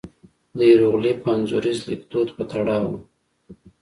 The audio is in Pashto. د هېروغلیف انځوریز لیکدود په تړاو وو.